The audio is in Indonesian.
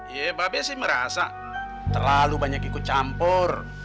ya b sih merasa terlalu banyak ikut campur